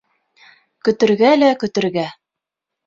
КӨТӨРГӘ ЛӘ КӨТӨРГӘ